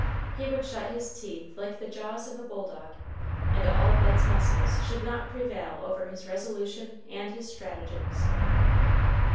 He would shut his teeth like the jaws of a bulldog, and all Bud's muscles should not prevail over his resolution and his stratagems.